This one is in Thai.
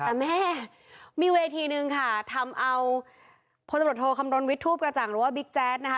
แต่แม่มีเวทีหนึ่งค่ะทำเอาพลตำรวจโทคำรณวิททูปกระจ่างหรือว่าบิ๊กแจ๊ดนะคะ